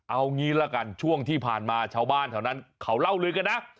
เอางี้ละกันช่วงที่ผ่านมาชาวบ้านแถวนั้นเขาเล่าลือกันนะ